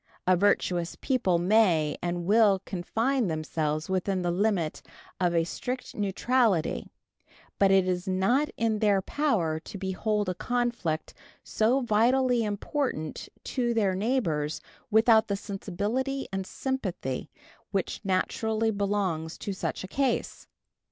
A virtuous people may and will confine themselves within the limit of a strict neutrality; but it is not in their power to behold a conflict so vitally important to their neighbors without the sensibility and sympathy which naturally belong to such a case.